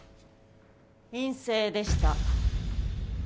陰性でした。